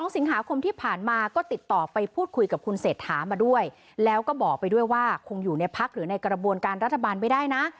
๒สิงหาคมที่ผ่านมาก็ติดต่อไปพูดคุยกับคุณเศรษฐามาด้วยแล้วก็บอกไปด้วยว่าคงอยู่ในพักหรือในกระบวนการรัฐบาลไม่ได้นะ